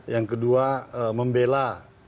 yang kedua membela